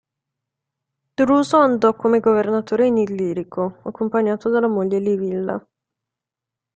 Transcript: Druso andò come governatore in Illirico, accompagnato dalla moglie Livilla.